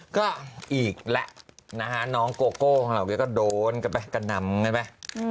ก็อีกแล้วนะฮะน้องโกโก้เขาก็โดนกันไปกันนำกันไป